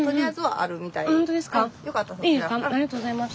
ありがとうございます。